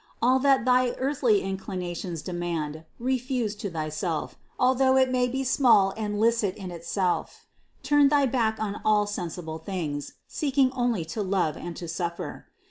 All that thy earthly inclina tions demand, refuse to thyself, although it may be small and licit in itself ; turn thy back on all sensible things, seek ing only to love and to suffer.